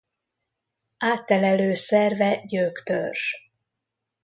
Áttelelő szerve gyöktörzs.